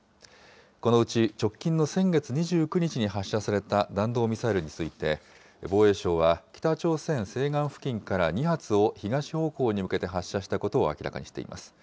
このうち直近の先月２９日に発射された弾道ミサイルについて、防衛省は、北朝鮮西岸付近から２発を東方向に向けて発射したことを明らかにしています。